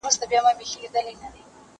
موږ بايد د بې نظمۍ مخه ونيسو.